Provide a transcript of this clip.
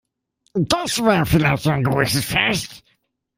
Das war vielleicht ein großes Fest.